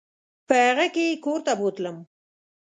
په هغه کې یې کور ته بوتلم.